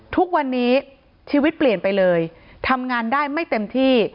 ทุกวันนี้ชีวิตเปลี่ยนไปเลยทำงานได้ไม่เต็มที่